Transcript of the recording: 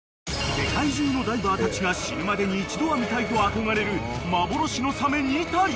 ［世界中のダイバーたちが死ぬまでに一度は見たいと憧れる幻のサメニタリ］